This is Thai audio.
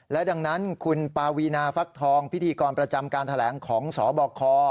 และดังนั้นคุณปาวีนาฟักทองพิธีกรประจำการแถลงของสบค